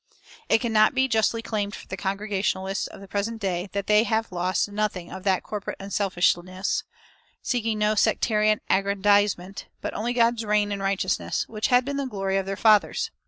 It cannot be justly claimed for the Congregationalists of the present day that they have lost nothing of that corporate unselfishness, seeking no sectarian aggrandizement, but only God's reign and righteousness, which had been the glory of their fathers.